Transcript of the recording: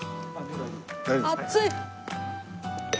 熱い！